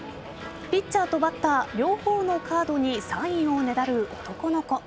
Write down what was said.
ピッチャーとバッター両方のカードにサインをねだる男の子。